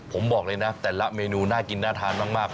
ผมบอกเลยนะแต่ละเมนูน่ากินน่าทานมาก